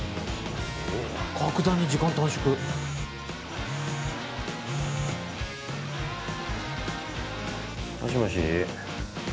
すげえな格段に時間短縮もしもし？